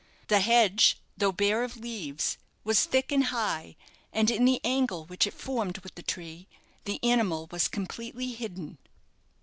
The hedge, though bare of leaves, was thick and high, and in the angle which it formed with the tree, the animal was completely hidden.